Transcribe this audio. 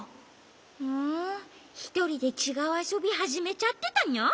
ふんひとりでちがうあそびはじめちゃってたの？